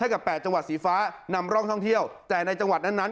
ให้กับแปดจังหวัดสีฟ้านำร่องช่องเที่ยวแต่ในจังหวัดนั้น